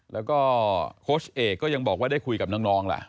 แล้วก็โค้ชเอกก็ยังบอกว่าได้คุยกับน้องล่ะ